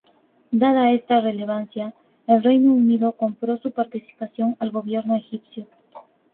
Dada esta relevancia, el Reino Unido compró su participación al Gobierno egipcio.